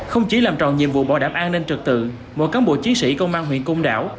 không chỉ làm tròn nhiệm vụ bảo đảm an ninh trực tự mỗi cán bộ chiến sĩ công an huyện công đảo